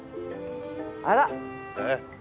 あら？えっ？